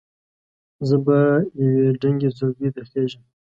زه به یوې دنګې څوکې ته خېژم.